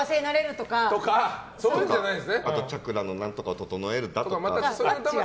チャクラの何とかを整えるとか。